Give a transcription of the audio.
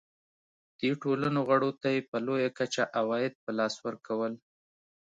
دې ټولنو غړو ته یې په لویه کچه عواید په لاس ورکول.